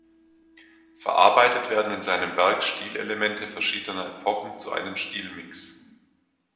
Verarbeitet werden in seinem Werk Stilelemente verschiedener Epochen zu einem „Stilmix“.